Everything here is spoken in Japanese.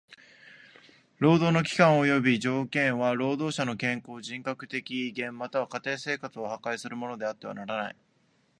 労働の期間および条件は労働者の健康、人格的威厳または家庭生活を破壊するものであってはならない。